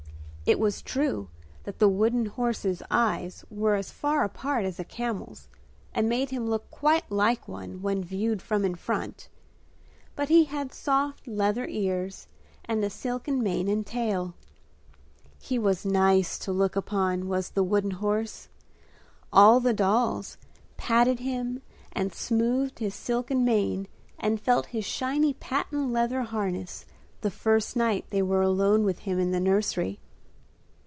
It was true that the wooden horse's eyes were as far apart as a camel's and made him look quite like one when viewed from in front, but he had soft leather ears and a silken mane and tail. He was nice to look upon, was the wooden horse. All the dolls patted him and smoothed his silken mane and felt his shiny patent leather harness the first night they were alone with him in the nursery.